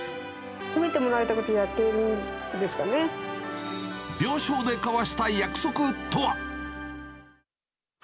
褒めてもらいたくてやってい病床で交わした約束とは。